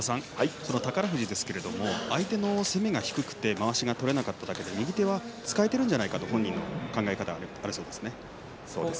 その宝富士ですが相手の攻めが低くてまわしが取れなかっただけで右手は使えているんじゃないかと本人は言っています。